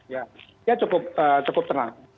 ya ya ya cukup tenang